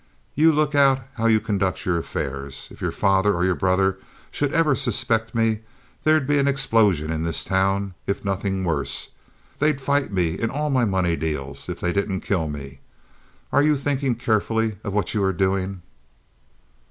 You look out how you conduct your affairs. If your father or your brother should ever suspect me, there'd be an explosion in this town, if nothing worse. They'd fight me in all my money deals, if they didn't kill me. Are you thinking carefully of what you are doing?"